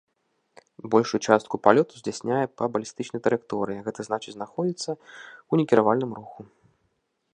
Большую частку палёту здзяйсняе па балістычнай траекторыі, гэта значыць знаходзіцца ў некіравальным руху.